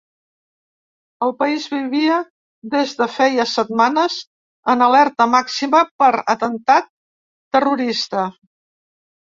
El país vivia des de feia setmanes en alerta màxima per atemptat terrorista.